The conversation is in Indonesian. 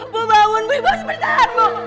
bu bangun ibu harus bertahanmu